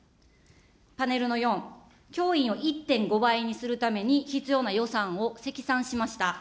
パネルの４、教員を１．５倍にするために、必要な予算を積算しました。